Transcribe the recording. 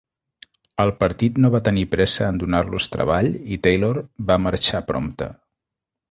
El partit no va tenir pressa en donar-los treball i Taylor va marxar prompte.